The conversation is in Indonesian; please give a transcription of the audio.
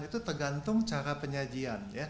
itu tergantung cara penyajian